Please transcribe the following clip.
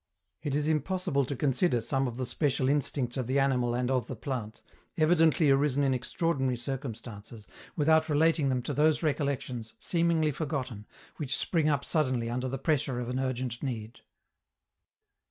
It is impossible to consider some of the special instincts of the animal and of the plant, evidently arisen in extraordinary circumstances, without relating them to those recollections, seemingly forgotten, which spring up suddenly under the pressure of an urgent need.